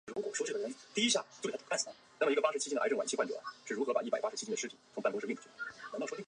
铃鹿川是一条流经日本三重县北部的河流。